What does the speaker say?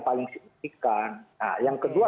paling signifikan nah yang kedua